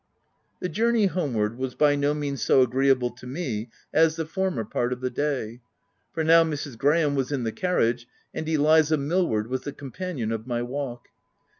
The journey homeward was by no means so agreeable, to me, as the former part of the day ; for now Mrs. Graham was in the carriage, and Eliza Millward was the companion of my walk.